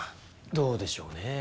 どうでしょうねえ。